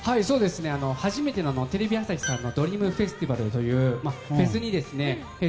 初めてのテレビ朝日さんの「ドリームフェスティバル」というフェスにＨｅｙ！